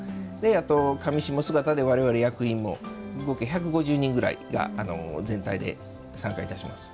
あとかみしも姿で我々役員も合計１５０人ぐらいで全体で参加いたします。